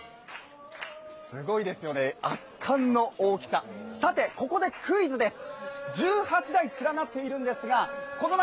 すごいですよね圧巻の大きささて、ここでクイズです！